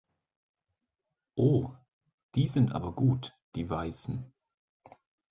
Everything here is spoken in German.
Oh, die sind aber gut, die Weißen!